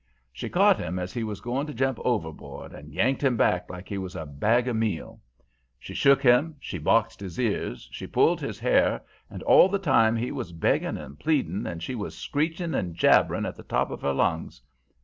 "She caught him as he was going to jump overboard and yanked him back like he was a bag of meal. She shook him, she boxed his ears, she pulled his hair, and all the time he was begging and pleading and she was screeching and jabbering at the top of her lungs.